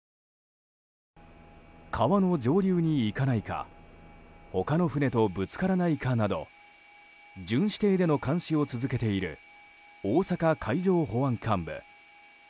川の上流に行かないか他の船とぶつからないかなど巡視艇での監視を続けている大阪海上保安監部。